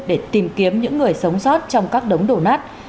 để tìm kiếm những người sống sót trong các đống đổ nát